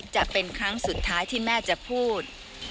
จะเป็นครั้งสุดท้ายที่แม่จะพูด